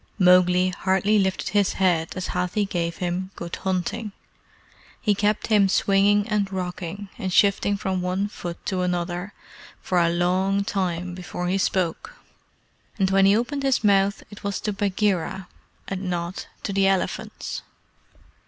Mowgli hardly lifted his head as Hathi gave him "Good hunting." He kept him swinging and rocking, and shifting from one foot to another, for a long time before he spoke; and when he opened his mouth it was to Bagheera, not to the elephants.